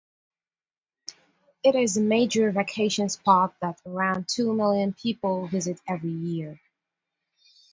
It is a major vacation spot that around two million people visit every year.